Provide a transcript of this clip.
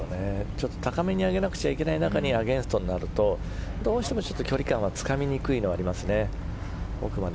高めにいかなくちゃいけない中にアゲンストになるとどうしても距離感がつかみにくいのがありますね。